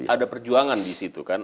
ada perjuangan di situ kan